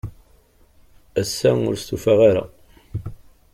Ass-a, ur stufaɣ ara.